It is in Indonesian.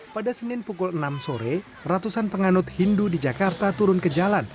pada senin pukul enam sore ratusan penganut hindu di jakarta turun ke jalan